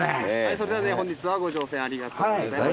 それでは本日はご乗船ありがとうございます。